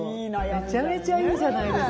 めちゃめちゃいいじゃないですか。